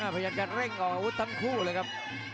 พยายามจะเร่งออกอาวุธทั้งคู่เลยครับ